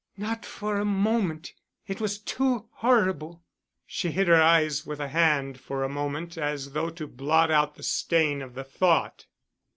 "Not for a moment. It was too horrible!" She hid her eyes with a hand for a moment as though to blot out the stain of the thought.